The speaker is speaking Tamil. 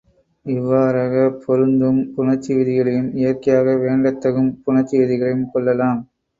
இவ்வாறாக, பொருந்தும் புணர்ச்சி விதிகளையும் இயற்கையாக வேண்டத் தகும் புணர்ச்சி விதிகளையும் கொள்ளலாம்.